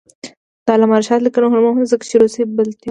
د علامه رشاد لیکنی هنر مهم دی ځکه چې روسي بلدتیا لري.